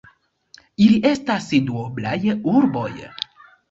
Ili estas duoblaj urboj.